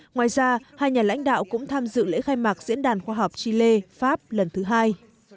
ngoài ra hai nhà lãnh đạo cũng tham dự lễ khai mạc diễn đàn khoa học chile pháp lần thứ hai